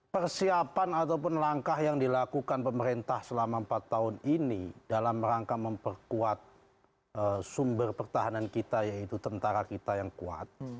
persiapan ataupun langkah yang dilakukan pemerintah selama empat tahun ini dalam rangka memperkuat sumber pertahanan kita yaitu tentara kita yang kuat